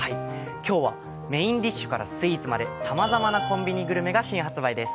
今日はメインディッシュからスイーツまでさまざまなコンビニグルメが新発売です。